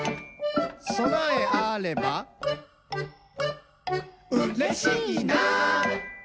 「そなえあればうれしいな！」